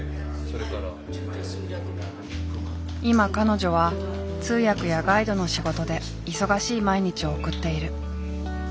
今彼女は通訳やガイドの仕事で忙しい毎日を送っている。